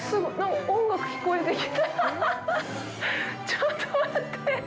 ちょっと待って！